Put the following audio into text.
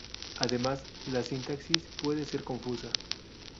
Además, la sintaxis puede ser confusa.